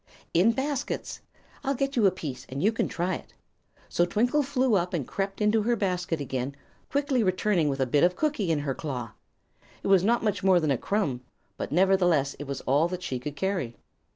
"In baskets. I'll get you a piece, and you can try it." So Twinkle flew up and crept into her basket again, quickly returning with a bit of cookie in her claw. It was not much more than a crumb, but nevertheless it was all that she could carry.